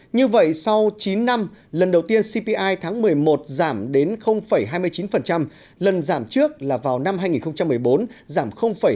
như vậy sau chín năm lần đầu tiên cpi tháng một mươi một giảm đến hai mươi chín lần giảm trước là vào năm hai nghìn một mươi bốn giảm năm mươi